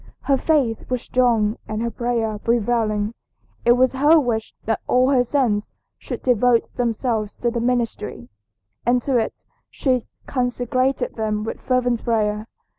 Her faith was strong and her prayer prevailing. It was her wish that all her sons should devote themselves to the ministry, and to it she consecrated them with fervent prayer.